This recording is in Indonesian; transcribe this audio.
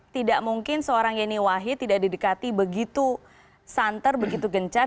tidak mungkin seorang yeni wahid tidak didekati begitu santer begitu gencar